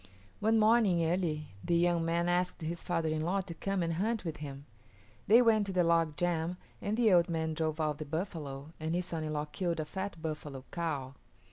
One morning early the young man asked his father in law to come and hunt with him. They went to the log jam and the old man drove out the buffalo and his son in law killed a fat buffalo cow.